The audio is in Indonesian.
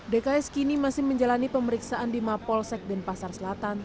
dks kini masih menjalani pemeriksaan di mapol sekden pasar selatan